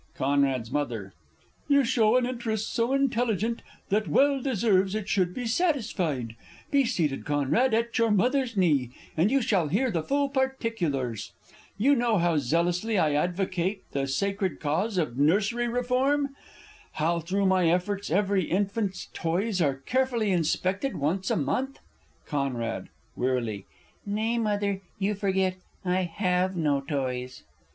C.'s M. You show an interest so intelligent That well deserves it should be satisfied, Be seated, Conrad, at your Mother's knee, And you shall hear the full particulars. You know how zealously I advocate The sacred cause of Nursery Reform? How through my efforts every infant's toys Are carefully inspected once a month ? Con. (wearily). Nay, Mother, you forget I have no toys.